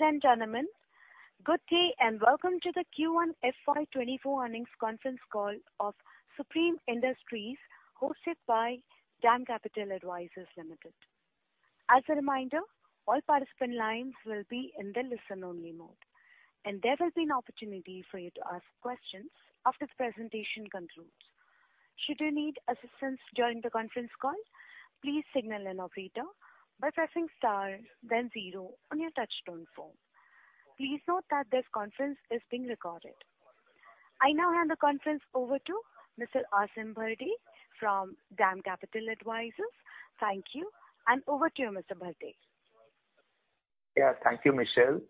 Ladies and gentlemen, good day, and welcome to the Q1 FY24 earnings conference call of Supreme Industries, hosted by DAM Capital Advisors Limited. As a reminder, all participant lines will be in the listen-only mode, and there will be an opportunity for you to ask questions after the presentation concludes. Should you need assistance during the conference call, please signal an operator by pressing star then zero on your touch-tone phone. Please note that this conference is being recorded. I now hand the conference over to Mr. Aasim Bharde from DAM Capital Advisors. Thank you, and over to you, Mr. Bharde. Yeah. Thank you, Michelle.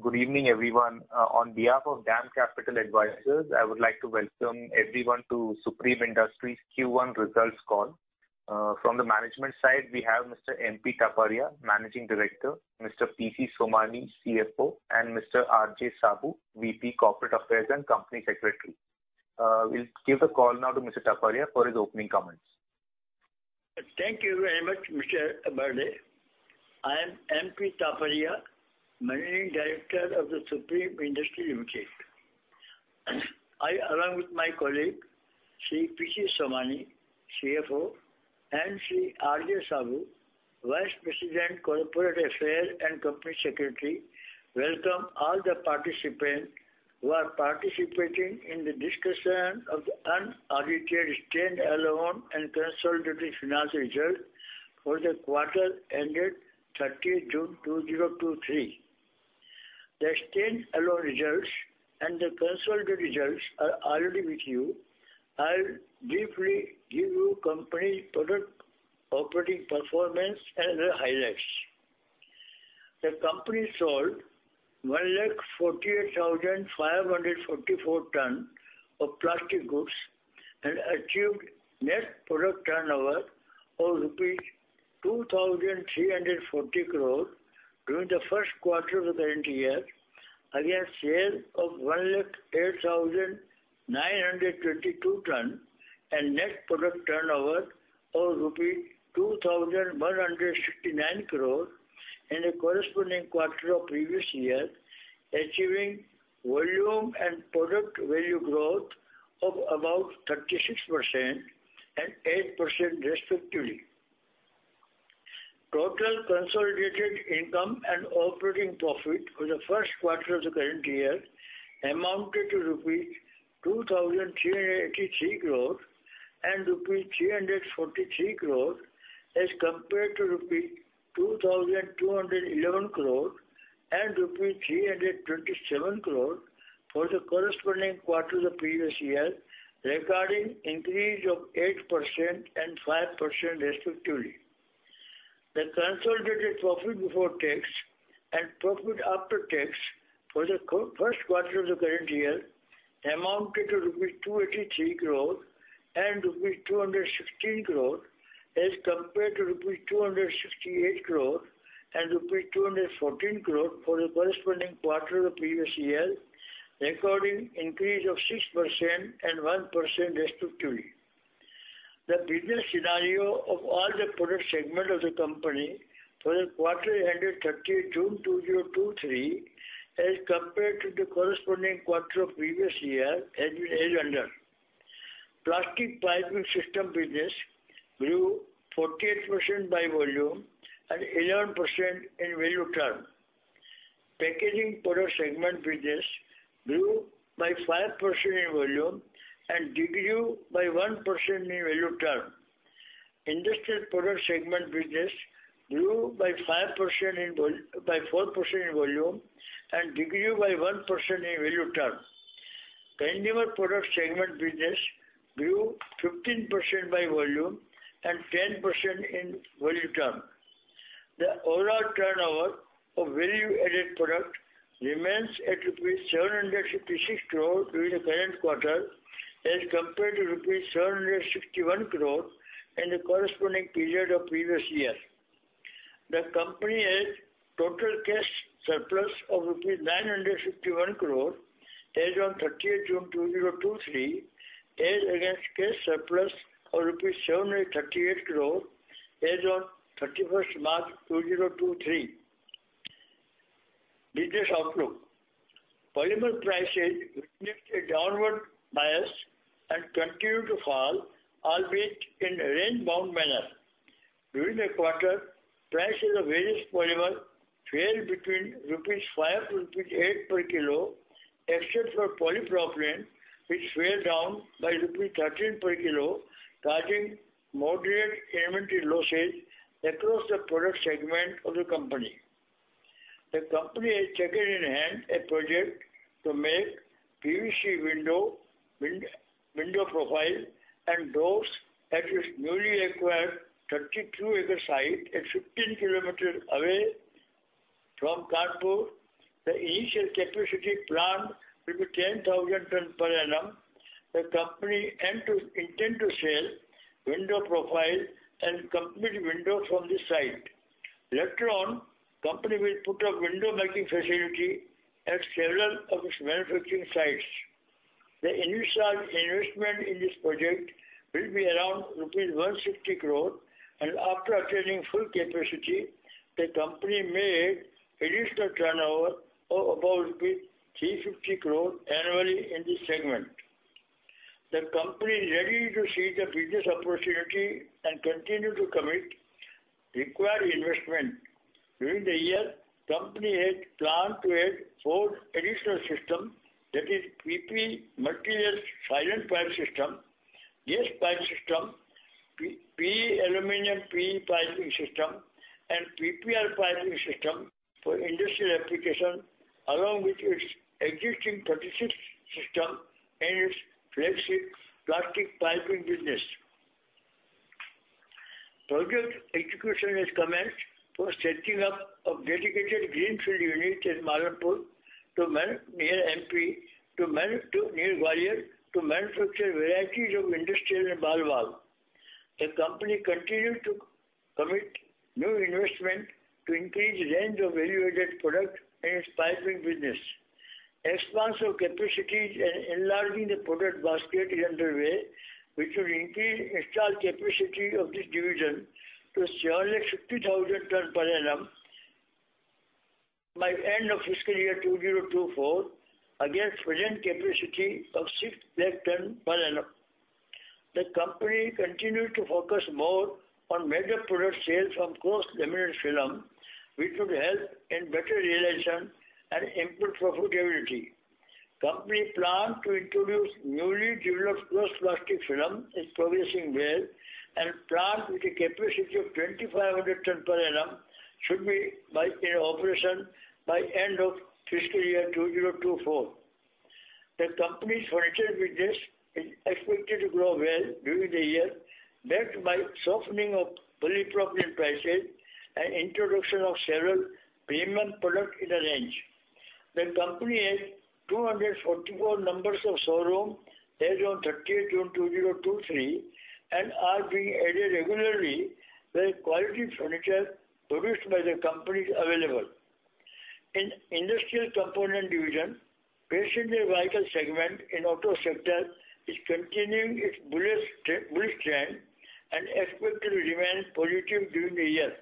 Good evening, everyone. On behalf of DAM Capital Advisors, I would like to welcome everyone to Supreme Industries Q1 results call. From the management side, we have Mr. M.P. Taparia, Managing Director, Mr. P.C. Somani, CFO, and Mr. R.J. Saboo, VP Corporate Affairs and Company Secretary. We'll give the call now to Mr. Taparia for his opening comments. Thank you very much, Mr. Bharde. I am M.P. Taparia, Managing Director of The Supreme Industries Limited. I, along with my colleague, Sri P.C. Somani, CFO, and Sri R.J. Saboo, Vice President, Corporate Affairs and Company Secretary, welcome all the participants who are participating in the discussion of the unaudited stand-alone and consolidated financial results for the quarter ended 30th June 2023. The stand-alone results and the consolidated results are already with you. I'll briefly give you company product operating performance and the highlights. The company sold 148,544 tons of plastic goods and achieved net product turnover of 2,340 crore rupees during the first quarter of the current year, against sale of 108,922 tons and net product turnover of rupee 2,169 crore in the corresponding quarter of previous year, achieving volume and product value growth of about 36% and 8% respectively. Total consolidated income and operating profit for the first quarter of the current year amounted to rupees 2,383 crore and rupees 343 crore, as compared to rupees 2,211 crore and rupees 327 crore for the corresponding quarter the previous year, recording increase of 8% and 5%, respectively. The consolidated profit before tax and profit after tax for the first quarter of the current year amounted to rupees 283 crore and rupees 216 crore, as compared to rupees 268 crore and rupees 214 crore for the corresponding quarter of the previous year, recording increase of 6% and 1%, respectively. The business scenario of all the product segment of the company for the quarter ended 30th June 2023, as compared to the corresponding quarter of previous year is as under: Plastic piping system business grew 48% by volume and 11% in value term. Packaging product segment business grew by 5% in volume and decreased by 1% in value term. Industrial product segment business grew by 5% in volume and decreased by 1% in value term. Consumer product segment business grew 15% by volume and 10% in value term. The overall turnover of value-added product remains at INR 756 crore during the current quarter, as compared to INR 761 crore in the corresponding period of previous year. The company has total cash surplus of rupees 961 crore as on June 30, 2023, as against cash surplus of rupee 738 crore as on 31st March 2023. Business outlook. Polymer prices witnessed a downward bias and continued to fall, albeit in a range-bound manner. During the quarter, prices of various polymer fell between 5-8 rupees per kilo, except for polypropylene, which fell down by rupees 13 per kilo, causing moderate inventory losses across the product segment of the company. The company has taken in hand a project to make PVC window, window profile and doors at its newly acquired 32 acre site at 15 km away from Kanpur. The initial capacity planned will be 10,000 tons per annum. The company intend to sell window profile and complete windows from this site. Later on, company will put up window making facility at several of its manufacturing sites. The initial investment in this project will be around rupees 160 crore, and after achieving full capacity, the company made additional turnover of about 350 crore annually in this segment. The company is ready to seize the business opportunity and continue to commit required investment. During the year, company had planned to add four additional system, that is, PP Silent Pipe System, gas piping system, PE-AL-PE piping system, and PPR piping system for industrial application, along with its existing 36 system and its flexible Plastic Piping business. Project execution has commenced for setting up a dedicated greenfield unit in Malanpur near MP, to near Gwalior, to manufacture varieties of industrial and ball valve. The company continued to commit new investment to increase range of value-added products in its piping business. Expansion of capacities and enlarging the product basket is underway, which will increase installed capacity of this division to 760,000 tons per annum by end of fiscal year 2024, against present capacity of 600,000 tons per annum. The company continued to focus more on major product sales from co-extruded film, which would help in better realization and improved profitability. Company plan to introduce newly developed co-extruded plastic film is progressing well, and plant with a capacity of 2,500 tons per annum should be in operation by end of fiscal year 2024. The company's furniture business is expected to grow well during the year, backed by softening of polypropylene prices and introduction of several premium product in the range. The company has 244 numbers of showroom as on June 30, 2023, and are being added regularly, where quality furniture produced by the company is available. In Industrial Component Division, patiently vital segment in auto sector is continuing its bullish trend and expected to remain positive during the year.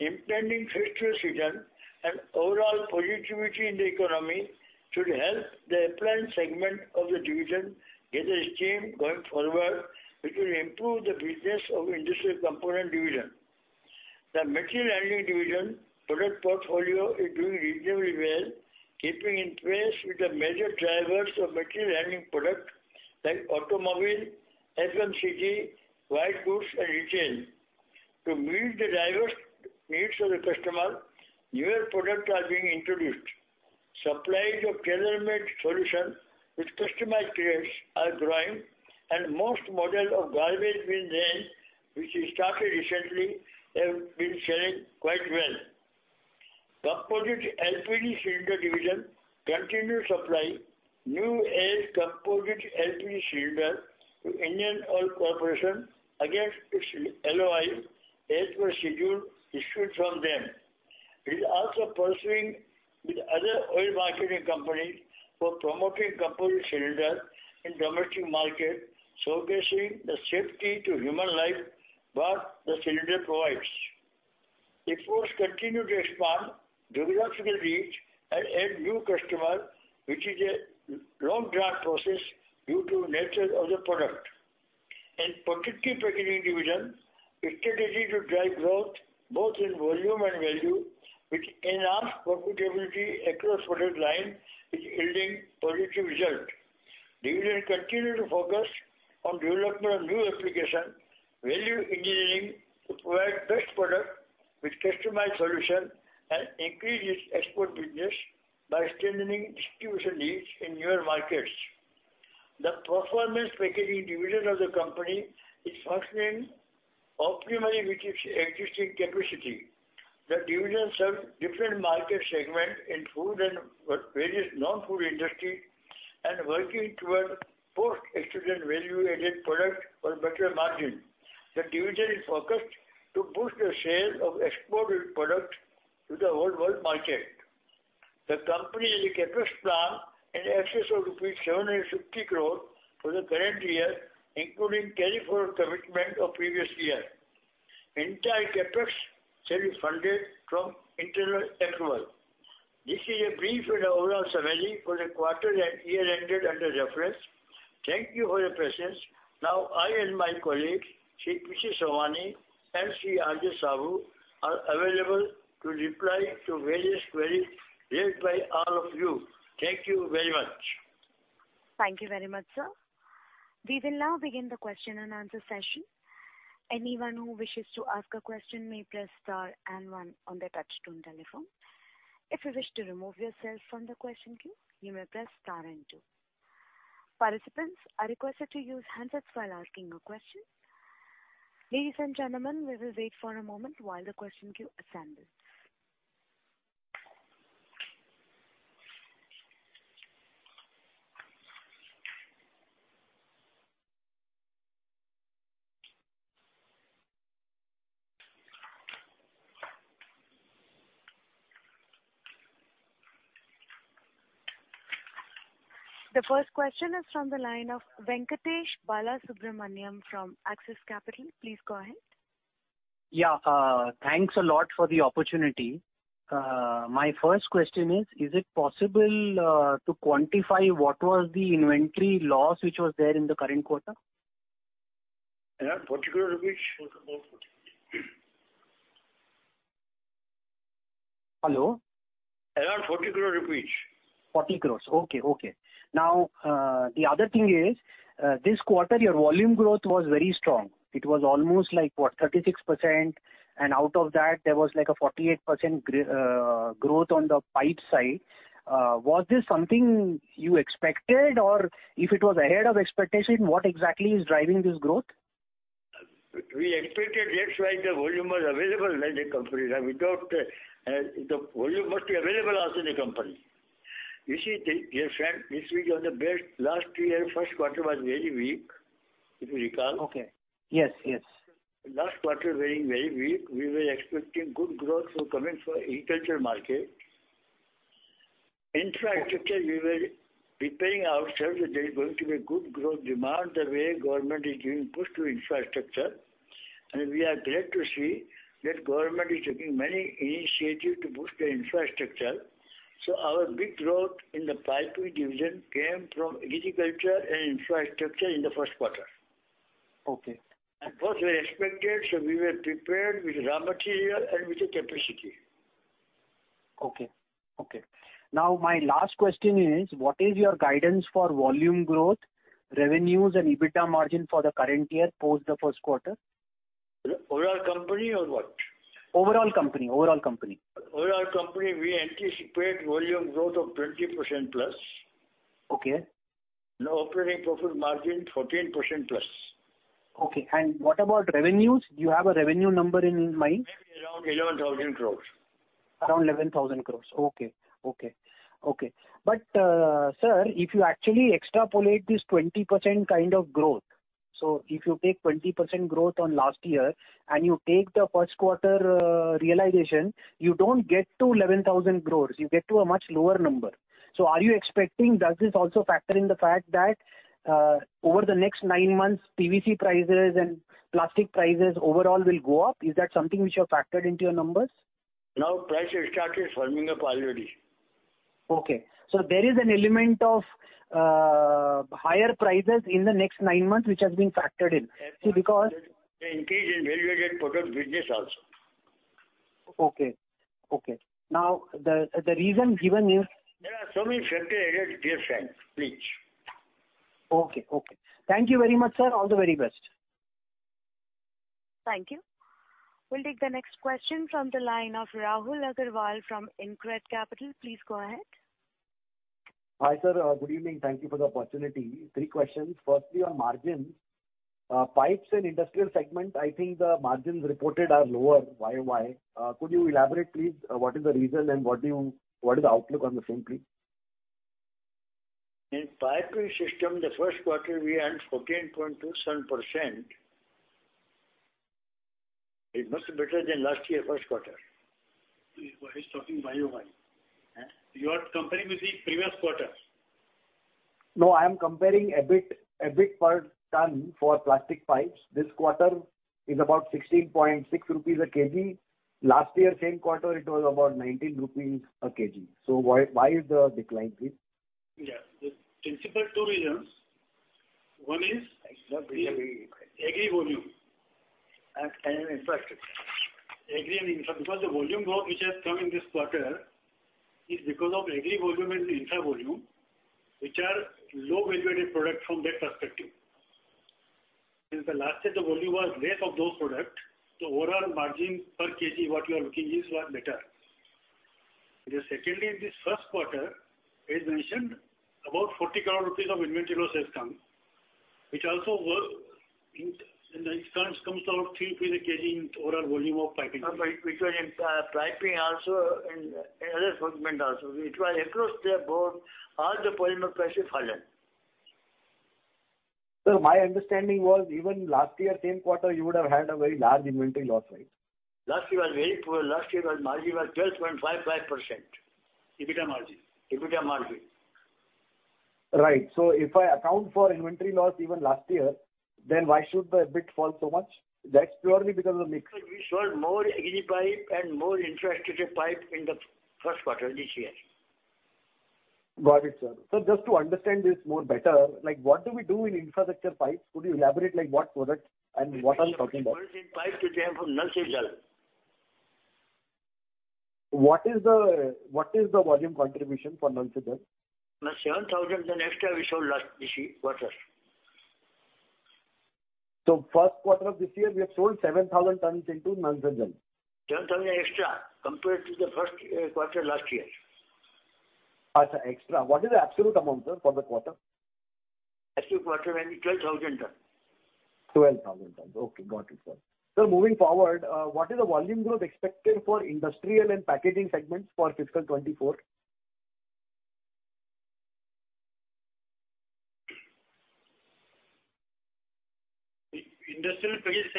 Impending festival season and overall positivity in the economy should help the planned segment of the division get a stream going forward, which will improve the business of Industrial Component Division. The Material Handling Division product portfolio is doing reasonably well, keeping in pace with the major drivers of material handling product like automobile, FMCG, white goods, and retail. To meet the diverse needs of the customer, newer products are being introduced. Supplies of tailor-made solution with customized crates are growing, and most models of garbage bin range, which we started recently, have been selling quite well. Composite LPG Cylinder Division continue supply new-age composite LPG cylinder to Indian Oil Corporation against its LOI, as per schedule issued from them. It is also pursuing with other oil marketing companies for promoting composite cylinder in domestic market, showcasing the safety to human life what the cylinder provides. Efforts continue to expand geographical reach and add new customer, which is a long draft process due to nature of the product. In Packaging Division, it is ready to drive growth both in volume and value, with enhanced profitability across product line, is yielding positive result. Division continue to focus on development of new application, value engineering, to provide best product with customized solution, and increase its export business by strengthening distribution leads in newer markets. The Performance Packaging Division of the company is functioning optimally with its existing capacity. The division serves different market segments in food and various non-food industry, and working toward post-extruded value-added product for better margin. The division is focused to boost the sale of exported products to the worldwide market. The company has a CapEx plan in excess of INR 7.60 crore for the current year, including carry forward commitment of previous year. Entire CapEx shall be funded from internal accrual. This is a brief and overall summary for the quarter and year ended under reference. Thank you for your presence. Now, I and my colleagues, Sri P.C. Somani and Sri R.J. Saboo, are available to reply to various queries raised by all of you. Thank you very much. Thank you very much, Sir. We will now begin the question and answer session. Anyone who wishes to ask a question may press star and one on their touchtone telephone. If you wish to remove yourself from the question queue, you may press star and two. Participants are requested to use handsets while asking a question. Ladies and gentlemen, we will wait for a moment while the question queue assembles....The first question is from the line of Venkatesh Balasubramaniam from Axis Capital. Please go ahead. Thanks a lot for the opportunity. My first question is, is it possible to quantify what was the inventory loss which was there in the current quarter? Around INR 40 crore. Hello? Around 40 crore rupees. 40 crore, okay, okay. The other thing is, this quarter, your volume growth was very strong. It was almost like, what? 36%, and out of that, there was like a 48% growth on the pipe side. Was this something you expected, or if it was ahead of expectation, what exactly is driving this growth? We expected that's why the volume was available in the company, and without, the volume must be available also in the company. You see, dear friend, this week on the best, last year, first quarter was very weak, if you recall. Okay. Yes, yes. Last quarter being very weak, we were expecting good growth to come in for agriculture market. Infrastructure, we were preparing ourselves that there is going to be a good growth demand, the way government is giving push to Infrastructure. We are glad to see that government is taking many initiatives to boost the Infrastructure. Our big growth in the piping division came from Agriculture and Infrastructure in the first quarter. Okay. Both were expected, so we were prepared with raw material and with the capacity. Okay, okay. Now, my last question is: what is your guidance for volume growth, revenues, and EBITDA margin for the current year post the first quarter? Overall company or what? Overall company, overall company. Overall company, we anticipate volume growth of 20%+. Okay. The operating profit margin, 14%+. Okay. What about revenues? Do you have a revenue number in mind? Around 11,000 crore. Around 11,000 crore. Okay, okay. Okay, sir, if you actually extrapolate this 20% kind of growth, if you take 20% growth on last year and you take the first quarter realization, you don't get to 11,000 crore. You get to a much lower number. Are you expecting, does this also factor in the fact that over the next nine months, PVC prices and plastic prices overall will go up? Is that something which you have factored into your numbers? Now, price has started firming up already. Okay. There is an element of higher prices in the next nine months, which has been factored in. See, The increase in value-added product business also. Okay, okay. Now, the reason given is- There are so many factors ahead, dear friend, please. Okay, okay. Thank you very much, sir. All the very best. Thank you. We'll take the next question from the line of Rahul Agarwal from InCred Capital. Please go ahead. Hi, sir, good evening. Thank you for the opportunity. Three questions: firstly, on margins, pipes and industrial segment, I think the margins reported are lower, YoY. Could you elaborate, please, what is the reason and what is the outlook on the same, please? In piping system, the first quarter, we earned 14.27%. It's much better than last year, first quarter. He is talking YoY. Eh? You are comparing with the previous quarter. No, I am comparing EBIT, EBIT per ton for plastic pipes. This quarter is about 16.6 rupees a kg. Last year, same quarter, it was about 19 rupees a kg. Why, why is the decline, please? Yeah. The principal two reasons. One is- Agri volume. Infrastructure. Agri and Infra, because the volume growth which has come in this quarter is because of Agri volume and the infra volume, which are low value-added product from that perspective. Since the last year, the volume was less of those product, so overall margin per kg, what you are looking is, was better. Secondly, in this first quarter, as mentioned, about 40 crore rupees of inventory loss has come, which also work, in instance, comes to our INR 3 a kg in overall volume of packaging. Which was in piping also and other segment also. It was across the board, all the polymer prices fallen. Sir, my understanding was even last year, same quarter, you would have had a very large inventory loss, right? Last year was very poor. Last year was, margin was 12.55%. EBITDA margin. EBITDA margin. Right. If I account for inventory loss even last year, then why should the EBIT fall so much? That's purely because of the mix. Because we sold more Agri pipe and more Infrastructure pipe in the first quarter this year. Got it, sir. Just to understand this more better, like, what do we do in Infrastructure pipes? Could you elaborate, like, what products and what I'm talking about? Pipe, they are from Nal Se Jal. What is the, what is the volume contribution for Nal Se Jal? 7,000 ton extra we sold last, this year, quarter. first quarter of this year, we have sold 7,000 tons into Nal Se Jal. 10,000 extra compared to the first quarter last year. Extra. What is the absolute amount, sir, for the quarter? Actual quarter maybe 12,000 tons. 12,000 tons. Okay, got it, sir. Moving forward, what is the volume growth expected for industrial and packaging segments for fiscal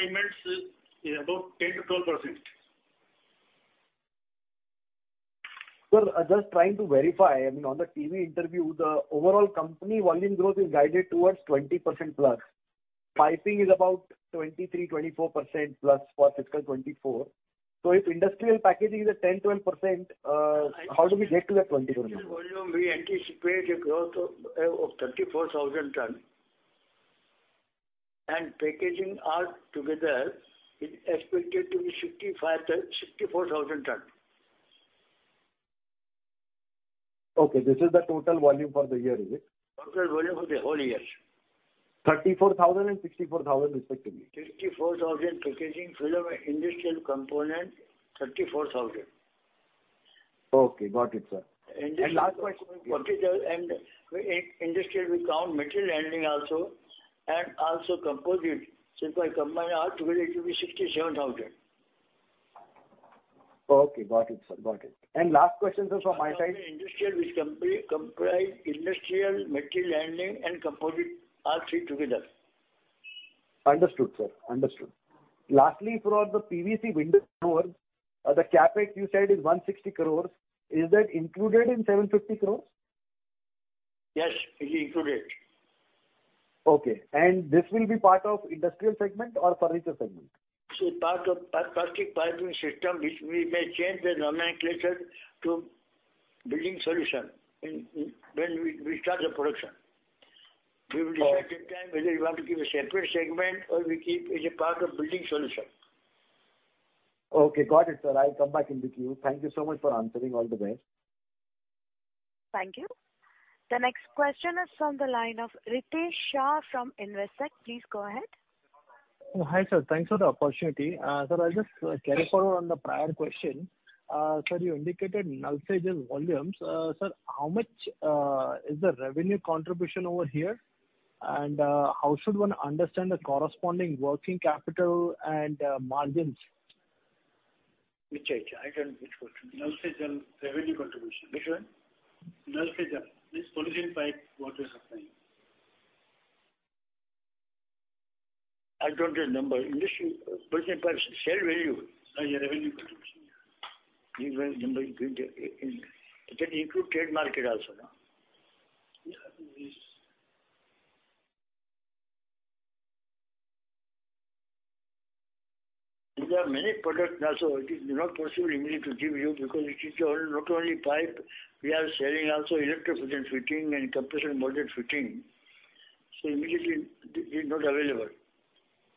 2024?... industrial package segments is about 10-12%. Sir, I'm just trying to verify, I mean, on the TV interview, the overall company volume growth is guided towards 20% plus. Piping is about 23%-24% plus for FY24. If industrial packaging is at 10%-12%, how do we get to that 20%? Volume, we anticipate a growth of, of 34,000 tons. Packaging all together is expected to be 65,000, 64,000 tons. Okay, this is the total volume for the year, is it? Total volume for the whole year. 34,000 and 64,000, respectively. 64,000 packaging filler and industrial component, 34,000. Okay, got it, sir. Last question- Industrial, we count material handling also, and also composite. If I combine all together, it will be 67,000. Okay, got it, sir. Got it. Last question, sir, from my side. Industrial, which comprise Industrial, Material Handling, and Composite, all three together. Understood, sir. Understood. Lastly, for the PVC Windows Doors, the CapEx you said is 160 crore. Is that included in 750 crore? Yes, it is included. Okay. This will be part of Industrial segment or Furniture segment? Part of Plastic Piping System, which we may change the nomenclature to Building Solution in, when we start the production. Okay. We will decide in time whether we want to give a separate segment or we keep it as a part of Building Solution. Okay, got it, sir. I'll come back in with you. Thank you so much for answering. All the best. Thank you. The next question is from the line of Ritesh Shah from Investec. Please go ahead. Hi, sir. Thanks for the opportunity. Sir, I'll just carry forward on the prior question. Sir, you indicated Nal Se Jal volumes. Sir, how much is the revenue contribution over here? How should one understand the corresponding working capital and margins? Which, I don't, which one? Nal Se Jal revenue contribution. Which one? Nal Se Jal. This polyethylene pipe what you're supplying. I don't get number. Industry, per share value? Yeah, revenue contribution. Revenue number, it include trade market also, no? Yeah, it is. There are many products also. It is not possible immediately to give you, because it is all, not only pipe, we are selling also electrofusion fittings and compression molded fittings. Immediately, it is not available.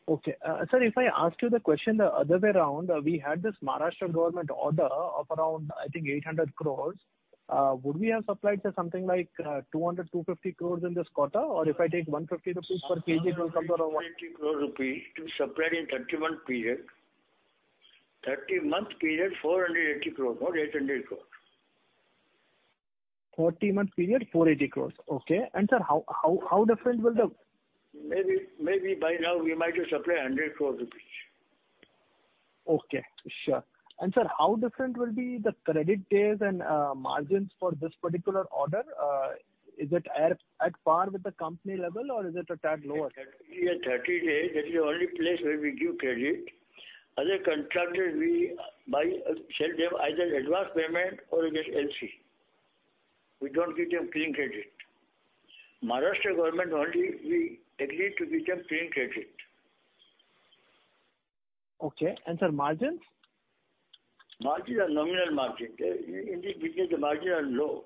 Okay. sir, if I ask you the question the other way around, we had this Maharashtra government order of around, I think, 800 crore. Would we have supplied something like, 200-250 crore in this quarter? If I take 150 rupees per kg, it will come to around- 40 crore rupees to supply in 30-month period. 30-month period, 480 crore, not 800 crore. 40-month period, 480 crores. Okay. Sir, how different will the- Maybe, maybe by now we might have supplied 100 crore rupees. Okay, sure. sir, how different will be the credit days and margins for this particular order? Is it at, at par with the company level, or is it a tad lower? 30 days, that is the only place where we give credit. Other contractors, we buy, sell them either advance payment or they get LC. We don't give them clean credit. Maharashtra government only, we agreed to give them clean credit. Okay. Sir, margins? Margins are nominal margin. In this business, the margin are low.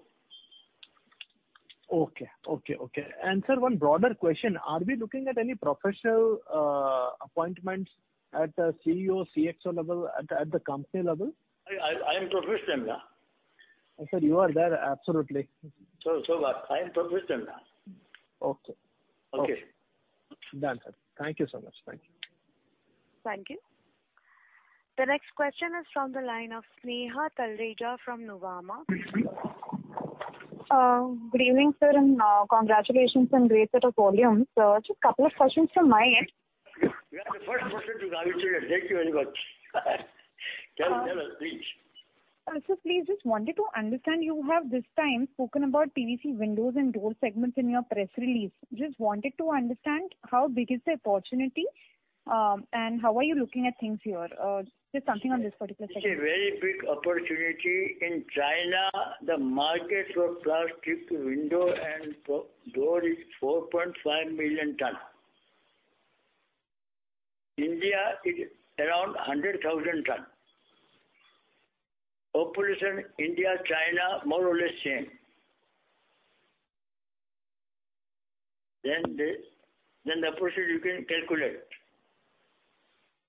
Okay. Okay, okay. Sir, one broader question: Are we looking at any professional appointments at the CEO, CXO level, at the, at the company level? I am professional, nah. Sir, you are there, absolutely. So what? I am professional. Okay. Okay. Done, sir. Thank you so much. Thank you. Thank you. The next question is from the line of Sneha Talreja from Nuvama. Mm-hmm. Good evening, sir, and congratulations on greater the volumes. Just a couple of questions from my end. You are the first person to congratulate. Thank you very much. Tell us, please. Please, just wanted to understand, you have this time spoken about PVC Windows and Door segments in your press release. Just wanted to understand how big is the opportunity, and how are you looking at things here? Just something on this particular segment. It's a very big opportunity. In China, the market for plastic window and door is 4.5 million tons. India is around 100,000 tons. Population, India, China, more or less same. The percentage you can calculate.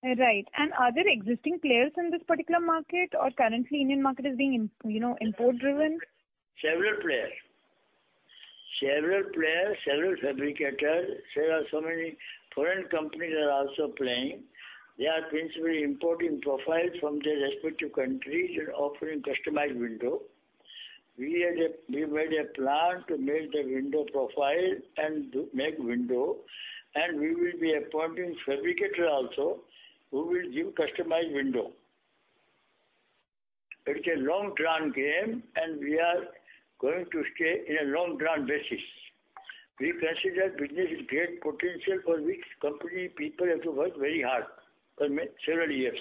Right. Are there existing players in this particular market, or currently Indian market is being, you know, import driven? Several players. Several players, several fabricators. There are so many foreign companies are also playing. They are principally importing profiles from their respective countries and offering customized window. We had we made a plan to make the window profile and to make window, and we will be appointing fabricator also, who will give customized window. It's a long-term game, and we are going to stay in a long-term basis. We consider business with great potential for which company people have to work very hard for several years.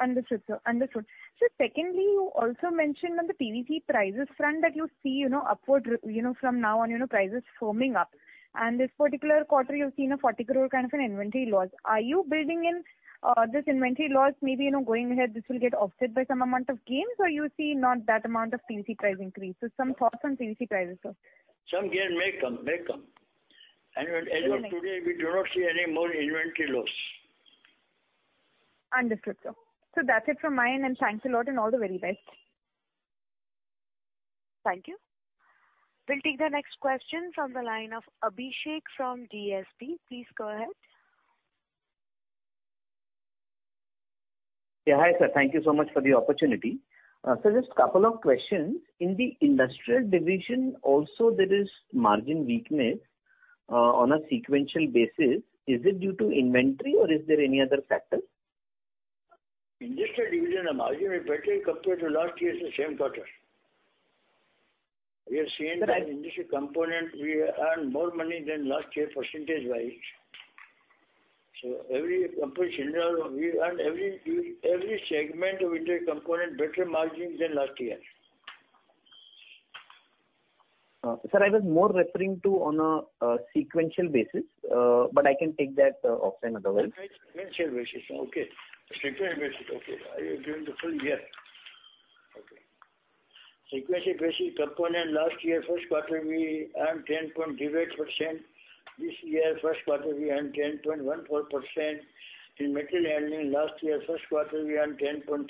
Understood, sir. Understood. Sir, secondly, you also mentioned on the PVC prices front that you see, you know, upward, you know, from now on, you know, prices firming up, and this particular quarter, you've seen a 40 crore kind of an inventory loss. Are you building in this inventory loss, maybe, you know, going ahead, this will get offset by some amount of gains, or you see not that amount of PVC price increase? Some thoughts on PVC prices, sir. Some gain may come, may come. May come. As of today, we do not see any more inventory loss. Understood, sir. That's it from my end, and thanks a lot, and all the very best. Thank you. We'll take the next question from the line of Abhishek from DSP. Please go ahead. Yeah, hi, sir. Thank you so much for the opportunity. Just couple of questions. In the Industrial Division also, there is margin weakness, on a sequential basis. Is it due to inventory or is there any other factor? Industrial Division, the margin is better compared to last year's same quarter. Correct. We have seen that industrial component, we earn more money than last year, percentage-wise. Every component in general, we earn every, every segment of industry component better margin than last year. Sir, I was more referring to on a sequential basis, but I can take that offline otherwise. Okay, sequential basis. Okay. Sequential basis, okay. Are you doing the full year? Okay. Sequential basis component, last year, first quarter, we earned 10.08%. This year, first quarter, we earned 10.14%. In material handling, last year, first quarter, we earned 10.3%.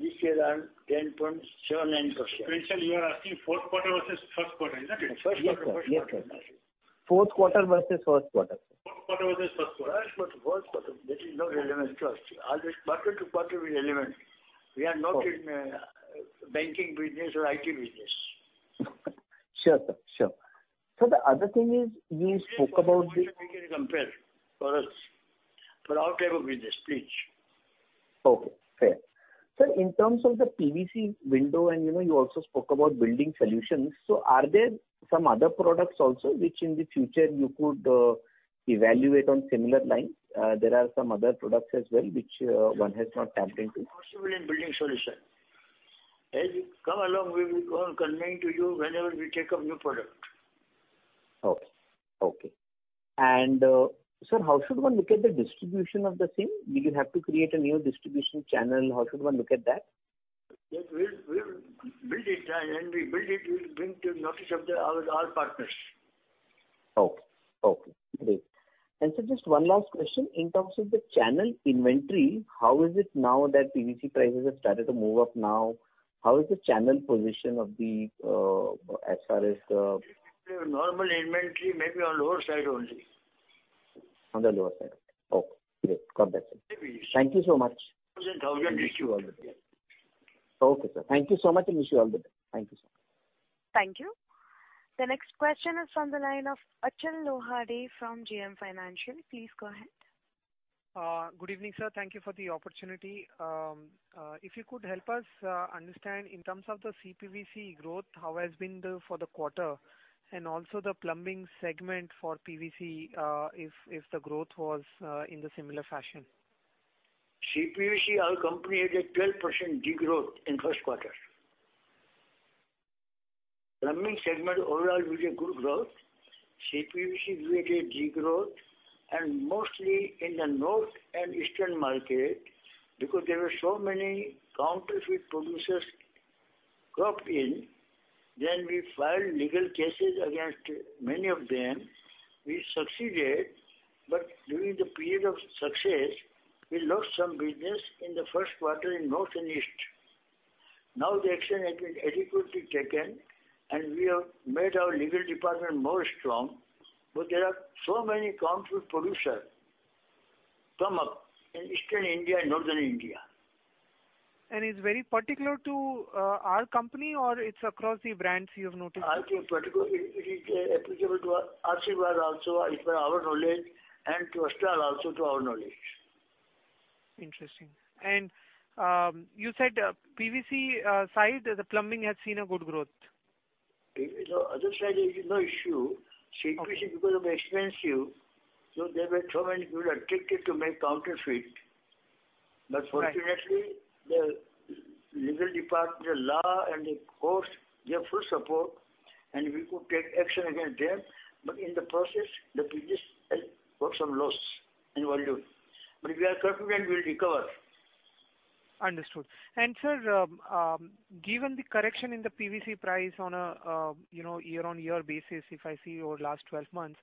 This year earned 10.79%. Essentially, you are asking fourth quarter versus first quarter, is that it? First quarter, first quarter. Fourth quarter versus first quarter. Fourth quarter versus first quarter. First quarter, fourth quarter, there is no relevance to us. All this quarter to quarter is irrelevant. Okay. We are not in banking business or IT business. Sure, sir. Sure. Sir, the other thing is, we spoke about the- We can compare for us, for our type of business, please. Okay, fair. Sir, in terms of the PVC Windows, and you know, you also spoke about Building Solutions. Are there some other products also, which in the future you could evaluate on similar lines? There are some other products as well, which one has not tapped into. Possibly in Building Solution. As we come along, we will go and convey to you whenever we take up new product. Okay, okay. Sir, how should one look at the distribution of the same? Do you have to create a new distribution channel? How should one look at that? Yes, we'll, we'll build it, and we build it, we'll bring to notice of the our, our partners. Okay, okay. Great. Sir, just one last question. In terms of the channel inventory, how is it now that PVC prices have started to move up now? How is the channel position of the, as far as? Normal inventory, maybe on lower side only. On the lower side. Okay, great. Got that, sir. Maybe. Thank you so much. Wish you all the best. Okay, sir. Thank you so much, and wish you all the best. Thank you, sir. Thank you. The next question is from the line of Achal Lohani from JM Financial. Please go ahead. Good evening, sir. Thank you for the opportunity. If you could help us understand in terms of the CPVC growth, how has been the for the quarter, and also the Plumbing segment for PVC, if the growth was in the similar fashion? CPVC, our company has a 12% degrowth in first quarter. Plumbing segment overall was a good growth. CPVC we had a degrowth, and mostly in the north and eastern market, because there were so many counterfeit producers cropped in. We filed legal cases against many of them. We succeeded, but during the period of success, we lost some business in the first quarter in north and east. The action has been adequately taken, and we have made our legal department more strong, but there are so many counterfeit producer come up in Eastern India and Northern India. It's very particular to, our company, or it's across the brands you have noticed? I think particular, it, it is applicable to Ashirvad also, as per our knowledge, and to Astral also, to our knowledge. Interesting. You said, PVC, side, the plumbing has seen a good growth. The other side is no issue. Okay. CPVC because of expensive, so there were so many people attracted to make counterfeit. Right. Fortunately, the legal department, the law and the court gave full support, and we could take action against them. In the process, the business had got some loss in volume. We are confident we will recover. Understood. Sir, given the correction in the PVC price on a year-on-year basis, if I see over last 12 months,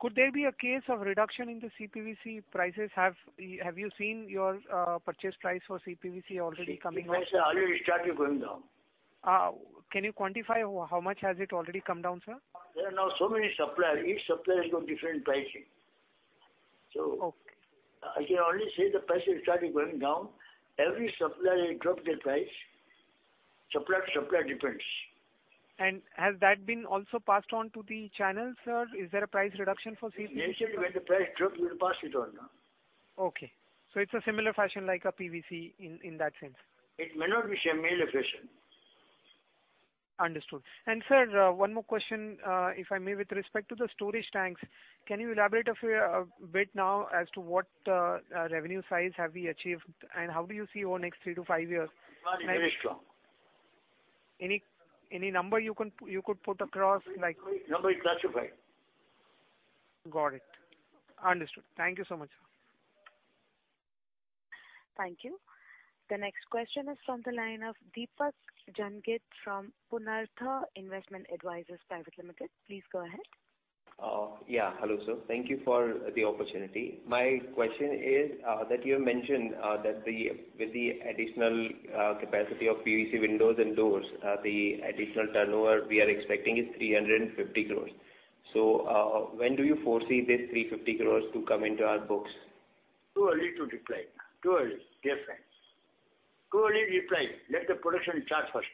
could there be a case of reduction in the CPVC prices? Have, have you seen your purchase price for CPVC already coming down? Prices are already starting going down. Can you quantify how much has it already come down, sir? There are now so many suppliers. Each supplier has got different pricing. Okay. I can only say the price is starting going down. Every supplier has dropped their price. Supply, supply depends. Has that been also passed on to the channels, sir? Is there a price reduction for CPVC? Yes, when the price drop, we will pass it on, yeah. Okay. It's a similar fashion like a PVC in, in that sense? It may not be same fashion. Understood. Sir, one more question, if I may, with respect to the storage tanks, can you elaborate a fair bit now as to what revenue size have we achieved, and how do you see over the next three to five years? Very strong. Any, any number you can, you could put across, like? Number is classified. Got it. Understood. Thank you so much. Thank you. The next question is from the line of Deepak Jangid from Purnartha Investment Advisors Private Limited. Please go ahead. Yeah. Hello, sir. Thank you for the opportunity. My question is, that you have mentioned, that the, with the additional capacity of PVC Windows and Doors, the additional turnover we are expecting is 350 crore. When do you foresee this 350 crore to come into our books? Too early to reply. Too early, dear friend. Too early to reply. Let the production start first.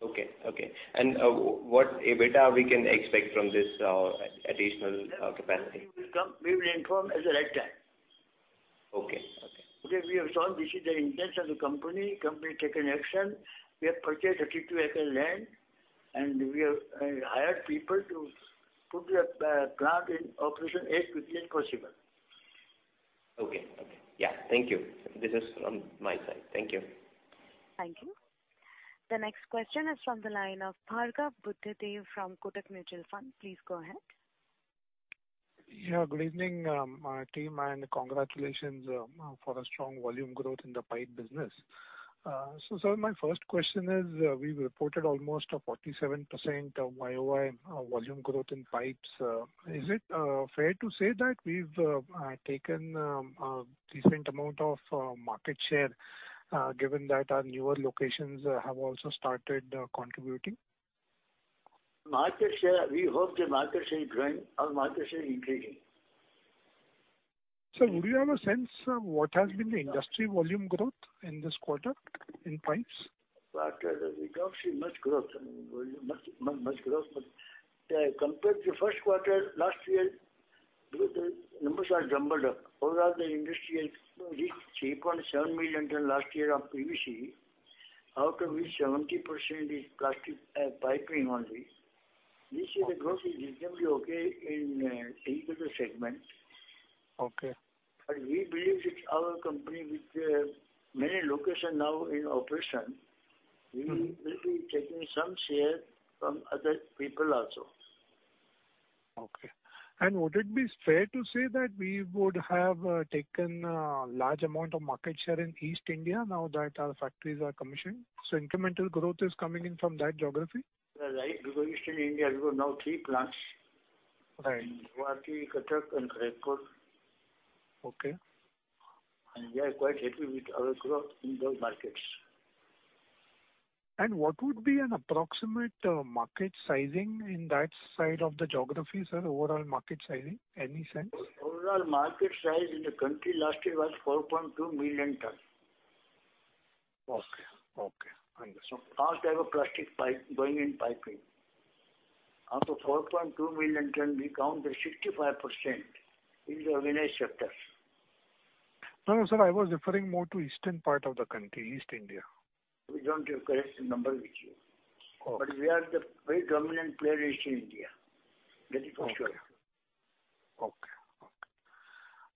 Okay, okay. What EBITDA we can expect from this additional capacity? We will inform at the right time. Okay. Okay. Okay, we have shown this is the intention of the company, company taken action. We have purchased 32 acre land, and we have hired people to put the plant in operation as quickly as possible. Okay, okay. Yeah. Thank you. This is from my side. Thank you. Thank you. The next question is from the line of Bhargav Buddhadev from Kotak Mutual Fund. Please go ahead. Good evening, team, and congratulations for a strong volume growth in the pipe business. Sir, my first question is, we've reported almost a 47% of YoY volume growth in pipes. Is it fair to say that we've taken a decent amount of market share, given that our newer locations have also started contributing? Market share, we hope the market share is growing. Our market share is increasing. Sir, would you have a sense of what has been the industry volume growth in this quarter in pipes? Quarter, we don't see much growth, volume, much, much growth. Compared to first quarter last year, the numbers are doubled up. Overall, the industry is 6.7 million tons last year of PVC, out of which 70% is plastic piping only. This is the growth is reasonably okay in segment. Okay. We believe that our company with, many location now in operation. Mm-hmm. We will be taking some share from other people also. Okay. Would it be fair to say that we would have, taken, large amount of market share in East India now that our factories are commissioned, so incremental growth is coming in from that geography? Right. Eastern India has got now three plants. Right. Bhubaneswar, Cuttack and Rayagada. Okay. We are quite happy with our growth in those markets. What would be an approximate market sizing in that side of the geography, sir, overall market sizing? Any sense? Overall market size in the country last year was 4.2 million tons. Okay, okay. I understand. All type of plastic pipe going in piping. Out of 4.2 million ton, we count as 65% in the Vinyl sector. No, no, sir, I was referring more to eastern part of the country, East India. We don't have correct number with you. Okay. We are the very dominant player in East India. That is for sure. Okay.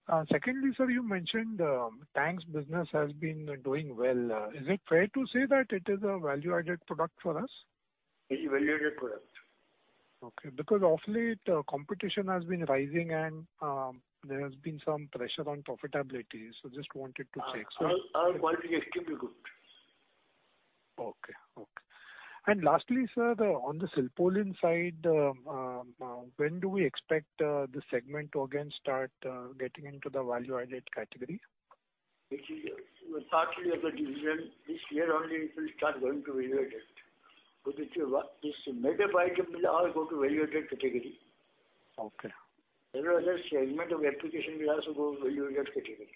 Okay. Secondly, sir, you mentioned tanks business has been doing well. Is it fair to say that it is a value-added product for us? Very value-added product. Because of late, competition has been rising, and there has been some pressure on profitability. Just wanted to check, sir. Our, our quality extremely good. Okay, okay. Lastly, sir, the, on the Silpaulin side, when do we expect this segment to again start getting into the value-added category? It is partly of the division. This year only it will start going to value-added. The two this made up item will all go to value-added category. Okay. Another segment of application will also go to value-added category.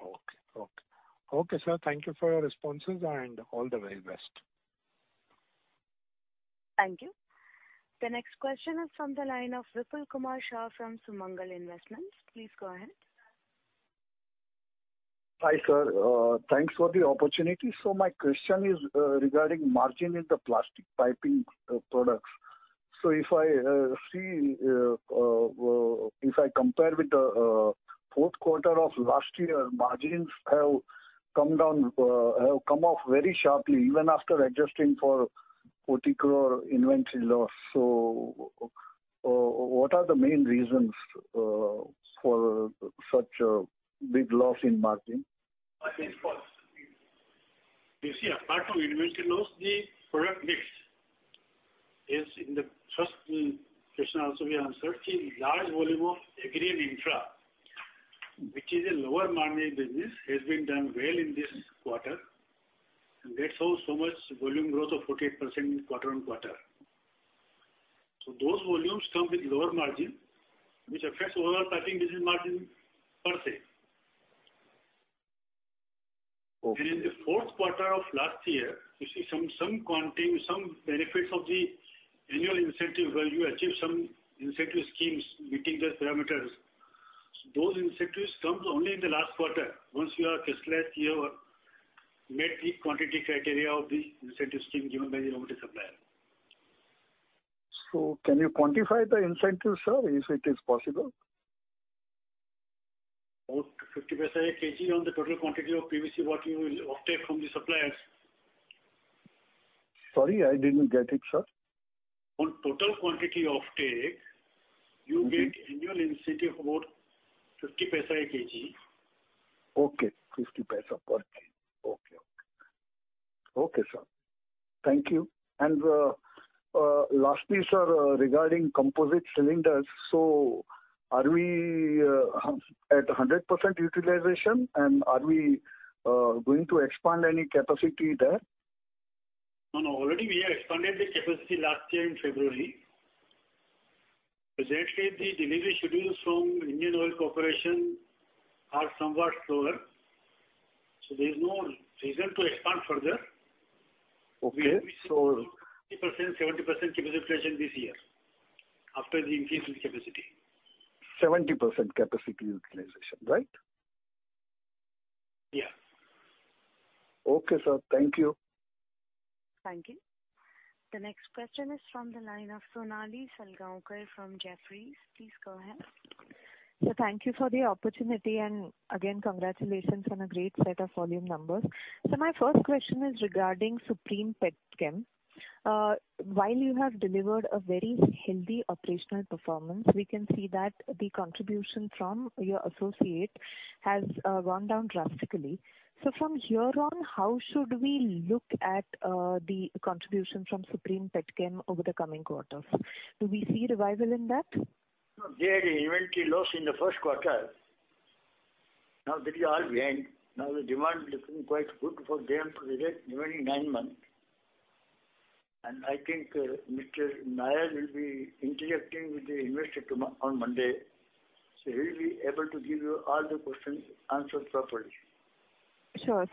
Okay, okay. Okay, sir, thank you for your responses, and all the very best. Thank you. The next question is from the line of Vipul Kumar Shah from Sumangal Investments. Please go ahead. Hi, sir. Thanks for the opportunity. My question is regarding margin in the Plastic Piping products. If I see if I compare with the fourth quarter of last year, margins have come down have come off very sharply, even after adjusting for 40 crore inventory loss. What are the main reasons for such a big loss in margin? You see, apart from inventory loss, the product mix is in the first question also we answered, a large volume of Agri and Infra, which is a lower margin business, has been done well in this quarter. That's how so much volume growth of 48% quarter-on-quarter. Those volumes come with lower margin, which affects overall packing business margin per se. In the fourth quarter of last year, you see some quantity, some benefits of the annual incentive where you achieve some incentive schemes meeting the parameters. Those incentives comes only in the last quarter, once you have calculated your, met the quantity criteria of the incentive scheme given by the raw material supplier. Can you quantify the incentives, sir, if it is possible? About 0.50 kg on the total quantity of PVC what you will obtain from the suppliers. Sorry, I didn't get it, sir. On total quantity of take, you get annual incentive about 0.50 a kg. Okay, 0.50 per kg. Okay. Okay, sir. Thank you. Lastly, sir, regarding composite cylinders, so are we, at a 100% utilization, and are we, going to expand any capacity there? No, no, already we have expanded the capacity last year in February. Presently, the delivery schedules from Indian Oil Corporation are somewhat slower. There is no reason to expand further. Okay. 50%, 70% capacity utilization this year after the increase in capacity. 70% capacity utilization, right? Yeah. Okay, sir. Thank you. Thank you. The next question is from the line of Sonali Salgaonkar from Jefferies. Please go ahead. Thank you for the opportunity, and again, congratulations on a great set of volume numbers. My first question is regarding Supreme Petrochem. While you have delivered a very healthy operational performance, we can see that the contribution from your associate has gone down drastically. From here on, how should we look at the contribution from Supreme Petrochem over the coming quarters? Do we see revival in that? They had an inventory loss in the first quarter. Now, that is all gone. Now, the demand looking quite good for them for the remaining nine months. I think Mr. Nair will be interacting with the investor on Monday, so he will be able to give you all the questions answered properly. Sure.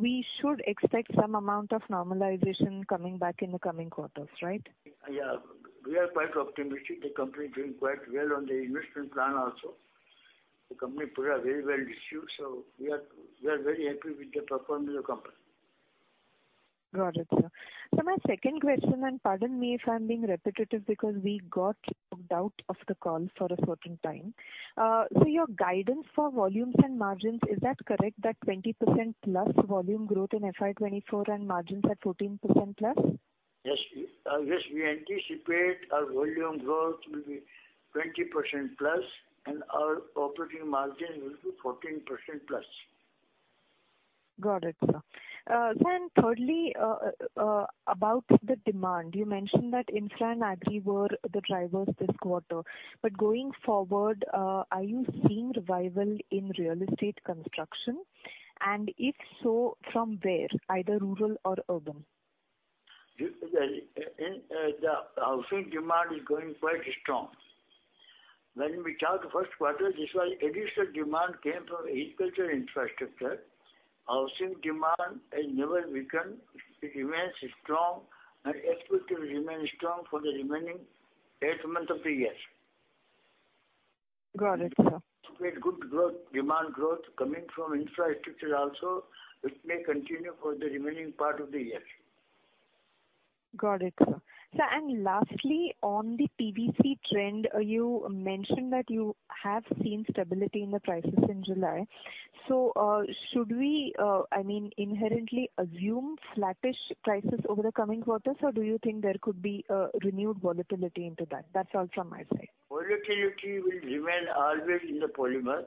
We should expect some amount of normalization coming back in the coming quarters, right? Yeah, we are quite optimistic. The company is doing quite well on the investment plan also. The company put a very well issue. We are very happy with the performance of the company. Got it, sir. My second question, and pardon me if I'm being repetitive, because we got out of the call for a certain time. Your guidance for volumes and margins, is that correct, that 20%+ volume growth in FY24 and margins at 14%+? Yes. Yes, we anticipate our volume growth will be 20%+, and our operating margin will be 14%+. Got it, sir. Thirdly, about the demand. You mentioned that Infra and Agri were the drivers this quarter. Going forward, are you seeing revival in real estate construction? If so, from where, either rural or urban? The, the, the housing demand is going quite strong. When we count first quarter, this was additional demand came from Agriculture Infrastructure. Housing demand has never weakened. It remains strong and expected to remain strong for the remaining eight months of the year. Got it, sir. We have good growth, demand growth coming from Infrastructure also, which may continue for the remaining part of the year. Got it, sir. Sir, lastly, on the PVC trend, you mentioned that you have seen stability in the prices in July. Should we, I mean, inherently assume flattish prices over the coming quarters, or do you think there could be a renewed volatility into that? That's all from my side. Volatility will remain always in the polymer,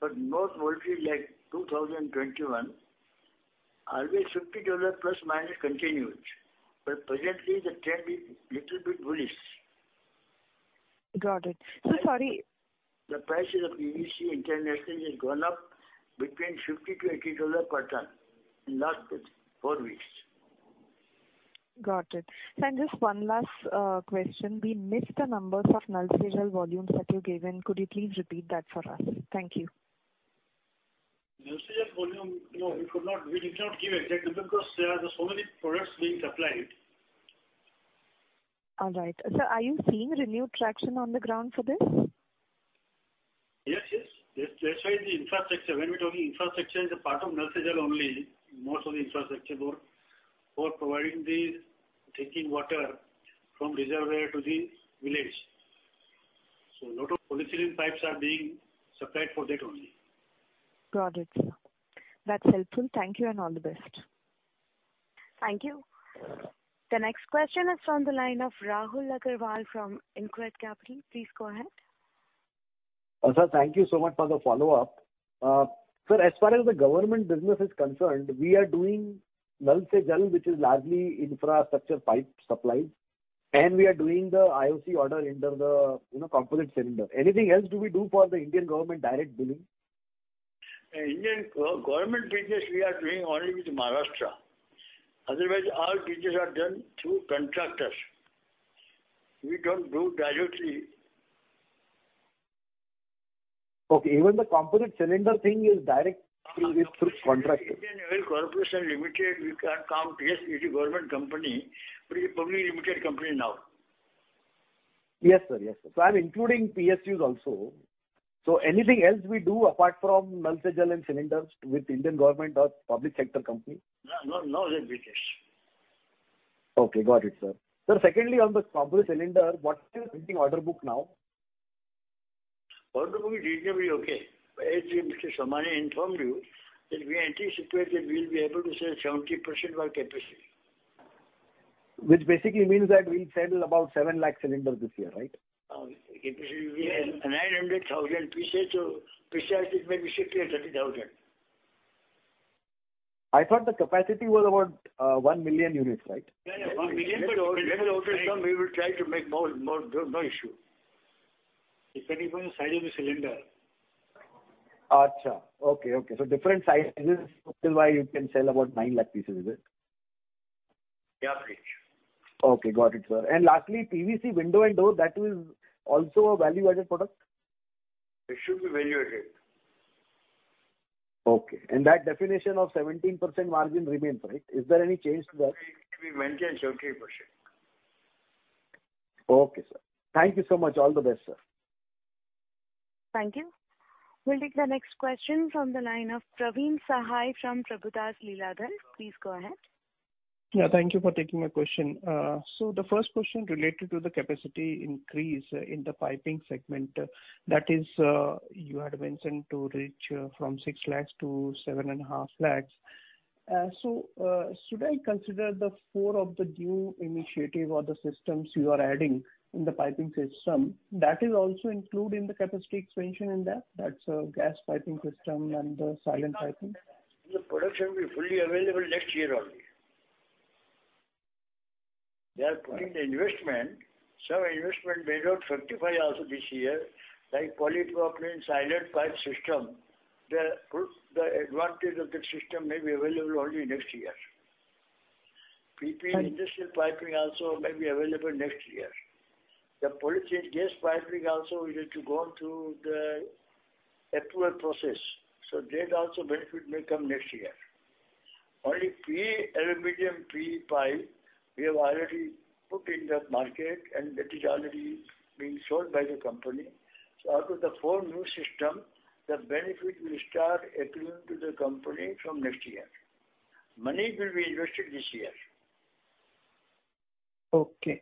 but not volatile like 2021. Always $50± continues, but presently the trend is little bit bullish. Got it. Sorry- The prices of PVC internationally has gone up between $50-$80 per ton in last four weeks. Got it. Sir, just one last question. We missed the numbers of Nal Se Jal volumes that you gave in. Could you please repeat that for us? Thank you. Nal Se Jal volume, no, we could not, we did not give exactly because there are so many products being supplied. All right. Sir, are you seeing renewed traction on the ground for this? Yes, yes. Yes, that's why the infrastructure, when we're talking infrastructure is a part of Nal Se Jal only. Most of the infrastructure for, for providing the drinking water from reservoir to the village. Lot of polyethylene pipes are being supplied for that only. Got it, sir. That's helpful. Thank you, and all the best. Thank you. The next question is from the line of Rahul Agarwal from InCred Capital. Please go ahead. Sir, thank you so much for the follow-up. Sir, as far as the government business is concerned, we are doing Nal Se Jal, which is largely infrastructure pipe supplies, and we are doing the IOC order under the, you know, composite cylinder. Anything else do we do for the Indian government direct billing? ... Indian government business, we are doing only with Maharashtra. Otherwise, all business are done through contractors. We don't do directly. Okay, even the composite cylinder thing is direct through, with through contractor? Indian Oil Corporation Limited, we can't count. Yes, it's a government company, but it's a public limited company now. Yes, sir. Yes, sir. I'm including PSUs also. Anything else we do apart from Nal Se Jal and cylinders with Indian government or public sector company? No, no, no other business. Okay, got it, sir. Sir, secondly, on the composite cylinder, what is the pending order book now? Order book is reasonably okay. As Mr. Somani informed you, that we anticipate that we'll be able to sell 70% of our capacity. Which basically means that we'll sell about 700,000 cylinders this year, right? It will be 900,000 pieces, so pieces it may be 60 or 30,000. I thought the capacity was about, 1 million units, right? Yeah, yeah, 1 million, but when orders come, we will try to make more, more. No, no issue. Depending on the size of the cylinder. Okay. Okay, okay. Different sizes, that's why you can sell about 900,000 pieces, is it? Yeah, pretty much. Okay, got it, sir. Lastly, PVC Windows and Door, that is also a value-added product? It should be value-added. Okay. That definition of 17% margin remains, right? Is there any change to that? We, we maintain 17%. Okay, sir. Thank you so much. All the best, sir. Thank you. We'll take the next question from the line of Praveen Sahay from Prabhudas Lilladher. Please go ahead. Yeah, thank you for taking my question. The first question related to the capacity increase in the Piping segment, that is, you had mentioned to reach from 6 lakhs to 7.5 lakhs. Should I consider the four of the new initiative or the systems you are adding in the piping system, that is also included in the capacity expansion in that? That's, gas piping system and the silent piping. The production will be fully available next year only. They are putting the investment. Some investment may not fructify also this year, like Polypropylene Silent Pipe System. The advantage of that system may be available only next year. Right. Industrial piping also may be available next year. The policy on gas piping also, we need to go through the approval process. That also, benefit may come next year. Only PE-AL-PE pipe, we have already put in the market and that is already being sold by the company. Out of the four new system, the benefit will start accruing to the company from next year. Money will be invested this year. Okay.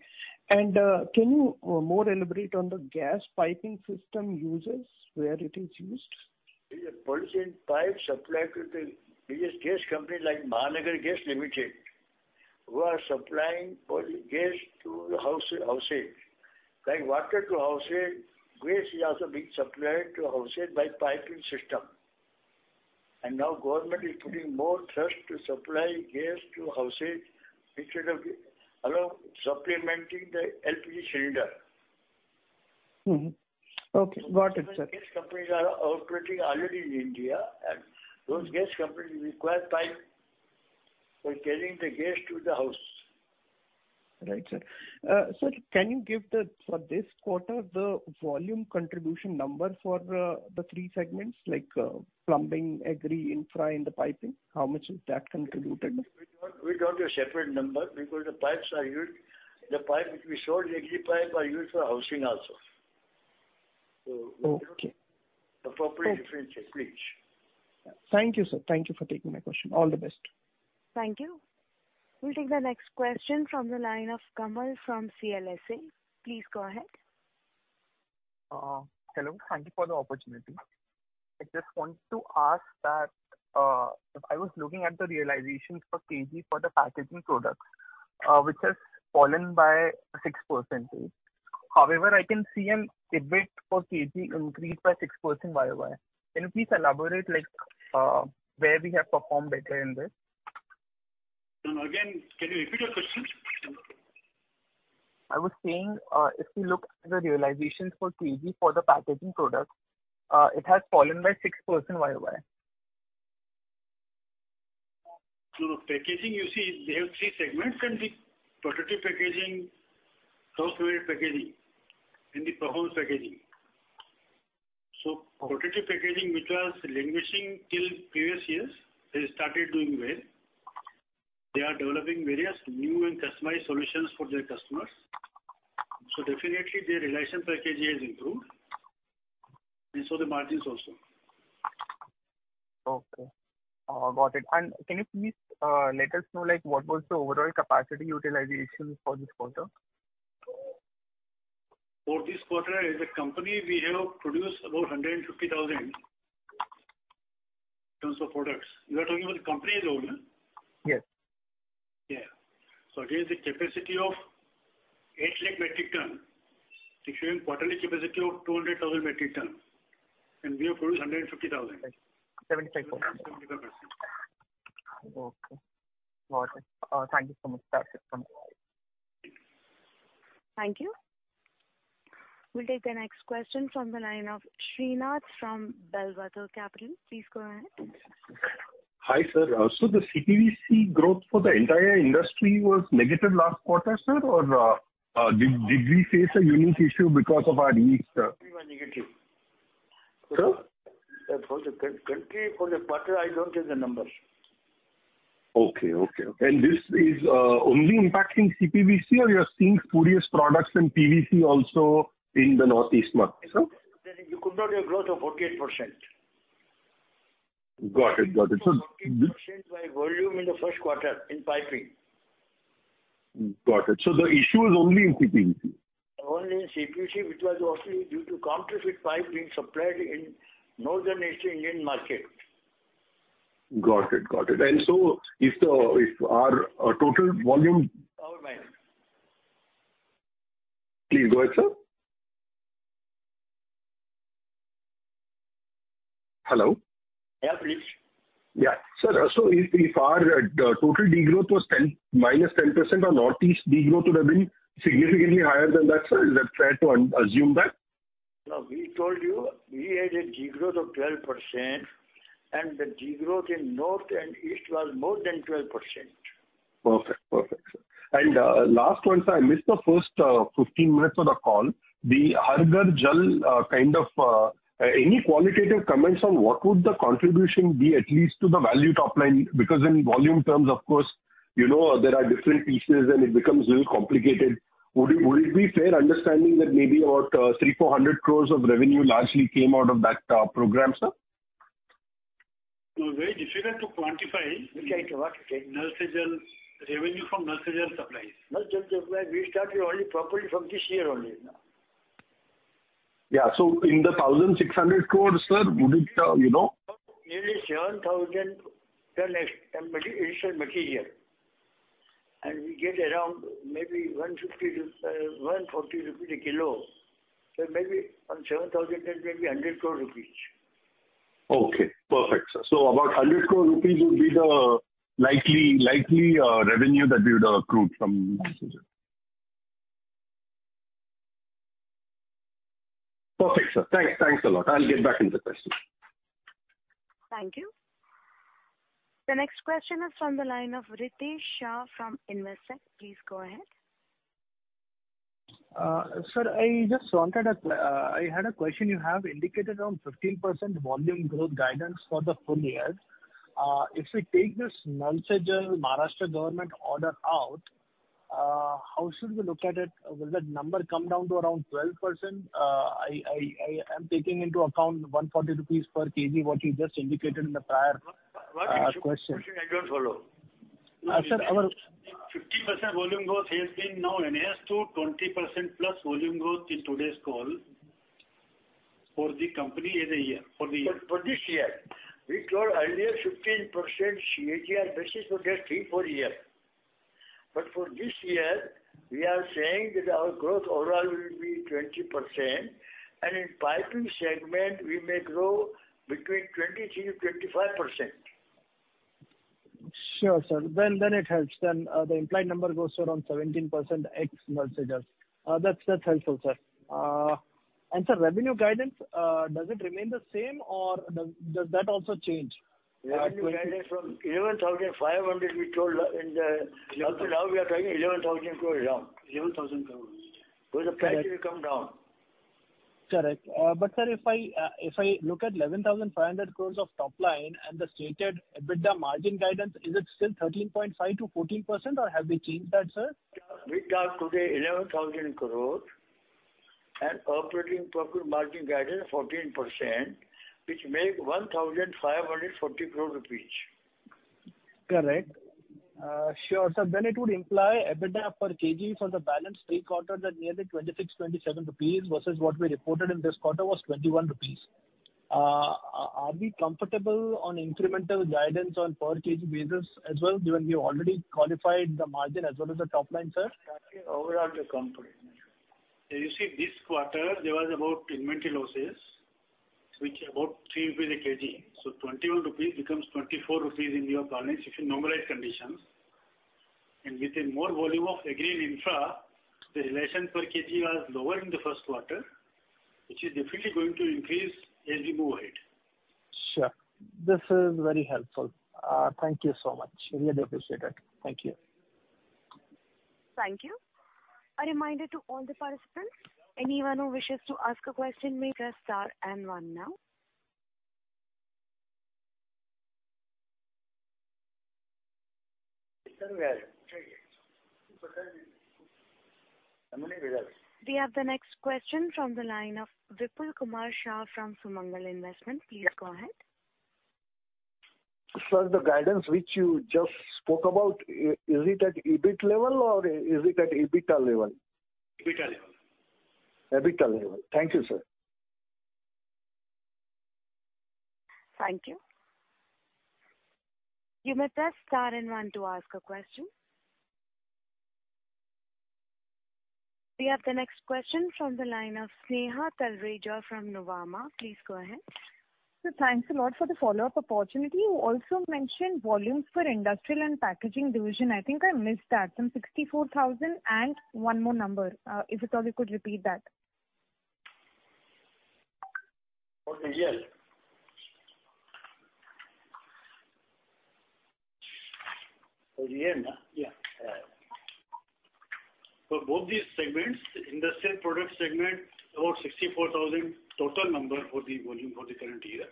Can you more elaborate on the gas piping system uses, where it is used? The polyethylene pipes supplied to the biggest gas company like Mahanagar Gas Limited, who are supplying poly gas to the house, houses. Like water to houses, gas is also being supplied to houses by piping system. Now government is putting more trust to supply gas to houses instead of the. Allow supplementing the LPG cylinder. Mm-hmm. Okay, got it, sir. These companies are operating already in India, and those gas companies require pipe for carrying the gas to the house. Right, sir. Sir, can you give the, for this quarter, the volume contribution number for the three segments like Plumbing, Agri, Infra, and the piping? How much is that contributed? We don't, we don't do a separate number because the pipes are used. The pipe which we sold, the Agri pipe, are used for housing also. Okay. Appropriate differentiate, please. Thank you, sir. Thank you for taking my question. All the best. Thank you. We'll take the next question from the line of Kamal from CLSA. Please go ahead. Hello. Thank you for the opportunity. I just want to ask that, if I was looking at the realizations for kg for the packaging products, which has fallen by 6%. However, I can see an EBIT per kg increased by 6% YoY. Can you please elaborate, like, where we have performed better in this? Again, can you repeat your question? I was saying, if you look at the realizations for kg for the packaging products, it has fallen by 6% YoY. Packaging, you see, they have three segments, and the protective packaging, tough weight packaging, and the performance packaging. Protective packaging, which was languishing till previous years, they started doing well. They are developing various new and customized solutions for their customers. Definitely, their realization packaging has improved, and so the margins also. Okay. Got it. Can you please let us know, like, what was the overall capacity utilization for this quarter? For this quarter, as a company, we have produced about 150,000 in terms of products. You are talking about the company as a whole, no? Yes. Yeah. against the capacity of 8 lakh metric ton, it's showing quarterly capacity of 200,000 metric ton, and we have produced 150,000. 75%. 75%. Okay. Got it. Thank you so much, sir. Thank you. We'll take the next question from the line of Srinath from Bellwether Capital. Please go ahead. Hi, sir. The CPVC growth for the entire industry was negative last quarter, sir, or, did we face a unique issue because of our East? We were negative. Sir? For the country, for the quarter, I don't have the numbers. Okay, okay. This is, only impacting CPVC, or you are seeing spurious products and PVC also in the Northeast market, sir? You could not have growth of 48%. Got it, got it. 48% by volume in the first quarter in piping. Got it. The issue is only in CPVC. Only in CPVC, which was also due to counterfeit pipe being supplied in Northern Eastern Indian market. Got it. Got it. So if the, if our, total volume- Our mind. Please go ahead, sir. Hello? Yeah, please. Yeah. Sir, if, if our, total degrowth was 10, -10% on Northeast, degrowth would have been significantly higher than that, sir. Is that fair to assume that? No, we told you we had a degrowth of 12%, and the degrowth in North and East was more than 12%. Perfect, perfect. Last one, sir, I missed the first 15 minutes of the call. The Har Ghar Jal, kind of, any qualitative comments on what would the contribution be, at least to the value top line? Because in volume terms, of course, you know, there are different pieces and it becomes a little complicated. Would it, would it be fair understanding that maybe about 300-400 crore of revenue largely came out of that program, sir? It's very difficult to quantify. Which I. Revenue from Nal Se Jal supplies. Har Ghar Jal supplies, we started only properly from this year only now. Yeah. In the 1,600 crore, sir, would it, you know? Nearly 7,000 ton extra material, and we get around maybe 150, 140 rupees a kilo. Maybe on 7,000 ton, maybe 100 crore rupees. Okay, perfect, sir. About 100 crore rupees would be the likely, likely, revenue that we would accrue from Har Ghar Jal. Perfect, sir. Thanks, thanks a lot. I'll get back into the question. Thank you. The next question is from the line of Ritesh Shah from Investec. Please go ahead. Sir, I just wanted a question. You have indicated around 15% volume growth guidance for the full year. If we take this Nal Se Jal Maharashtra government order out, how should we look at it? Will the number come down to around 12%? I'm taking into account 140 rupees per kg, what you just indicated in the prior question. I don't follow. Sir, our. 50% volume growth has been now enhanced to 20% plus volume growth in today's call for the company in a year, for the year. For this year, we told earlier 15% CAGR basis for that three, four year. For this year, we are saying that our growth overall will be 20%, and in Piping segment, we may grow between 23%-25%. Sure, sir. Then it helps. The implied number goes to around 17% ex Nal Se Jal. That's, that's helpful, sir. Sir, revenue guidance, does it remain the same or does, does that also change? Revenue guidance from INR 11,500 crore we told. Up to now, we are talking INR 11,000 crore around. INR 11,000 crore. The price will come down. Correct. Sir, if I, if I look at 11,500 crore of top line and the stated EBITDA margin guidance, is it still 13.5%-14%, or have we changed that, sir? We talked today 11,000 crore and operating profit margin guidance 14%, which make 1,540 crore rupees. Correct. Sure, sir. It would imply EBITDA per kg for the balance three quarters that nearly 26-27 rupees versus what we reported in this quarter was 21 rupees. Are we comfortable on incremental guidance on per kg basis as well, given you already qualified the margin as well as the top line, sir? Overall, we are comfortable. You see, this quarter there was about inventory losses, which about 3 rupees a kg. 21 rupees becomes 24 rupees in your balance, if you normalize conditions. With a more volume of Agri and Infra, the relation per kg was lower in the first quarter, which is definitely going to increase as we move ahead. Sure. This is very helpful. Thank you so much. Really appreciate it. Thank you. Thank you. A reminder to all the participants, anyone who wishes to ask a question may press star and one now. We have. We have the next question from the line of Vipul Kumar Shah from Sumangal Investments. Please go ahead. Sir, the guidance which you just spoke about, is it at EBIT level or is it at EBITDA level? EBITDA level. EBITDA level. Thank you, sir. Thank you. You may press star and one to ask a question. We have the next question from the line of Sneha Talreja from Nuvama. Please go ahead. Sir, thanks a lot for the follow-up opportunity. You also mentioned volumes for Industrial and Packaging division. I think I missed that. Some 64,000 and one more number. If at all you could repeat that? For the year. For the year, no? Yeah. For both these segments, Industrial Products segment, about 64,000 total number for the volume for the current year.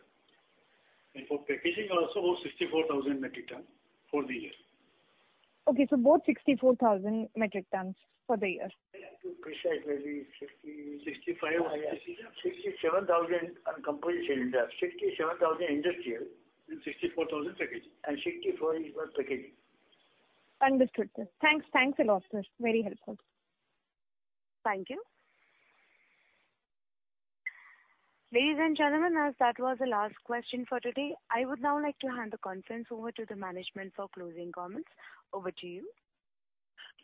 For Packaging also, about 64,000 metric ton for the year. Okay, both 64,000 metric tons for the year. To precise, maybe 60,000, 65,000, 67,000 on composite cylinder. 67,000 industrial and 64,000 packaging. 64,000 is for packaging. Understood, sir. Thanks, thanks a lot, sir. Very helpful. Thank you. Ladies and gentlemen, as that was the last question for today, I would now like to hand the conference over to the management for closing comments. Over to you.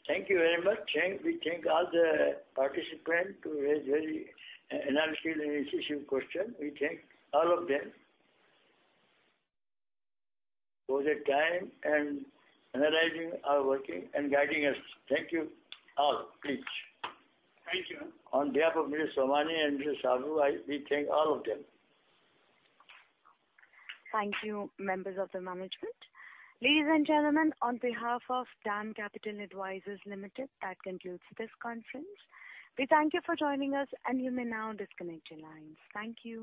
Thank you very much. Thank, we thank all the participants who raised very analytical and assistive question. We thank all of them for their time and analyzing our working and guiding us. Thank you all, please. Thank you. On behalf of Mr. Somani and Mr. Saboo, I, we thank all of them. Thank you, members of the management. Ladies and gentlemen, on behalf of DAM Capital Advisors Limited, that concludes this conference. We thank you for joining us, and you may now disconnect your lines. Thank you.